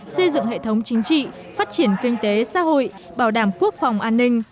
xây dựng hệ thống chính trị phát triển kinh tế xã hội bảo đảm quốc phòng an ninh